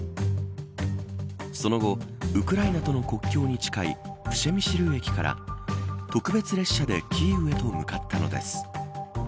その後、ウクライナとの国境に近いプシェミシル駅から特別列車でキーウへと向かったのです。